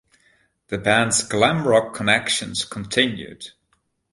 The band's glam rock connections continued.